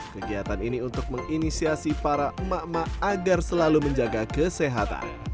kegiatan ini untuk menginisiasi para emak emak agar selalu menjaga kesehatan